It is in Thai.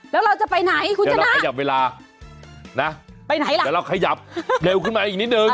แล้วเราจะไปไหนคุณชนะนะไปไหนล่ะแล้วเราขยับเด็วขึ้นมาอีกนิดนึง